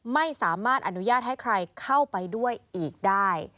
ไม่สามารถอนุญาตให้ใครเข้าไปด้วยอีกได้